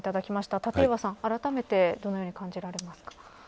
立岩さん、あらためてどのように感じられますか。